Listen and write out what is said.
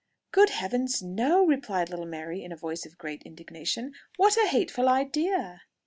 "Good heavens, no!" replied little Mary in a voice of great indignation. "What a hateful idea!"